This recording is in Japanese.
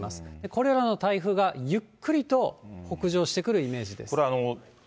これらの台風がゆっくりと北上してくるイメージです。